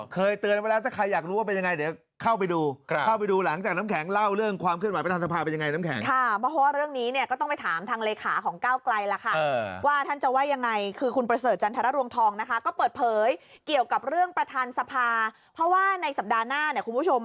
เคยเตือนไว้แล้วถ้าใครอยากรู้ว่าเป็นอย่างไรเดี๋ยวเข้าไปดู